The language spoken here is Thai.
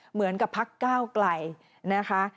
เหมือนกับพักก้าวกลาย